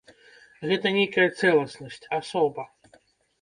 Гэта нейкая цэласнасць, асоба.